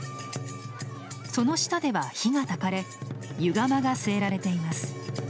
その下では火がたかれ湯釜が据えられています。